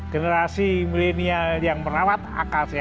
generasi milenial yang merawat akal sehat